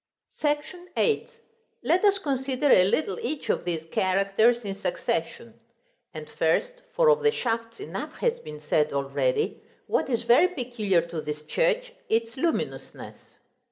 § VIII. Let us consider a little each of these characters in succession; and first (for of the shafts enough has been said already), what is very peculiar to this church, its luminousness.